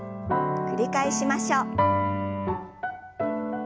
繰り返しましょう。